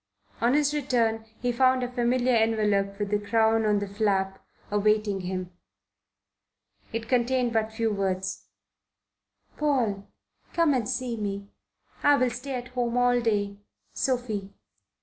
On his return he found a familiar envelope with the crown on the flap awaiting him. It contained but few words: PAUL, come and see me. I will stay at home all day. SOPHIE.